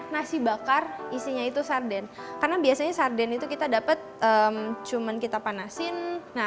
nasi bakar isinya itu sarden karena biasanya sarden itu kita dapat cuman kita panasin nah